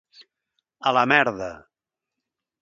A la merda!